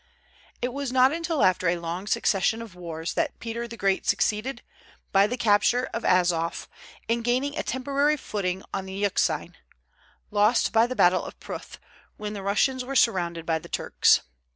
It was not until after a long succession of wars that Peter the Great succeeded, by the capture of Azof, in gaining a temporary footing on the Euxine, lost by the battle of Pruth, when the Russians were surrounded by the Turks.